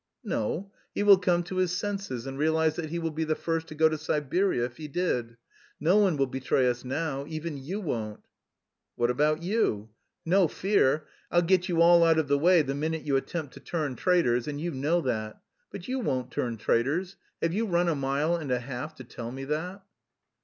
"No, he will come to his senses and realise that he will be the first to go to Siberia if he did. No one will betray us now. Even you won't." "What about you?" "No fear! I'll get you all out of the way the minute you attempt to turn traitors, and you know that. But you won't turn traitors. Have you run a mile and a half to tell me that?"